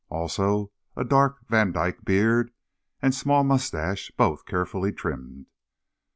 Also a dark Vandyke beard and small mustache, both carefully trimmed.